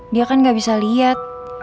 dia kan gak bisa lihat